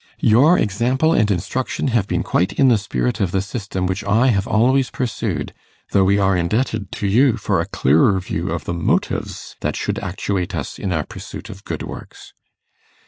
Your example and instruction have been quite in the spirit of the system which I have always pursued, though we are indebted to you for a clearer view of the motives that should actuate us in our pursuit of good works.